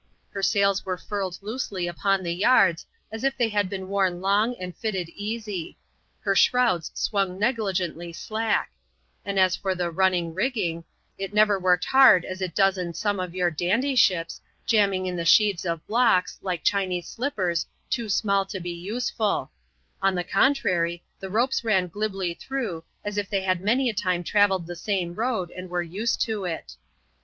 Her sails were furled loosely ijqpon the yards, as if they had been worn long, and fitted easy ; her shrouds swung negligently slack ; and as for the '^ running i^ggiiig)" i^ never worked hard as it does in some of your ^^ dandy ships," jamming in the sheaves of blocks, like Chinese ^spers, too smaU to be useful ; on the contrary, the ropes ran glibly through, as if they had many a time travelled the same road, and were used to it.